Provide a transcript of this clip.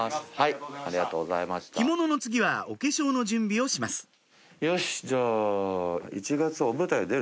着物の次はお化粧の準備をしますよしじゃあ。